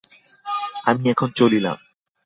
আমি এখন চলিলাম!